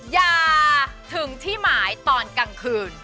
อย่าถึงที่หมายตอนกลางคืน